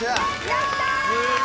やった！